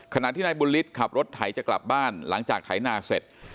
ขณะที่นายบุญฤทธิ์ขับรถไถจะกลับบ้านหลังจากไถนาเสร็จ